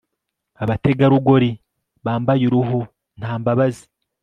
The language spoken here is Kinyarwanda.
abategarugori bambaye uruhu, nta mbabazi